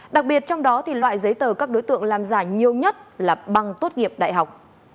đặc biệt trong đó thì loại giấy tờ các đối tượng làm giả nhiều nhất là bằng tốt nghiệp đại học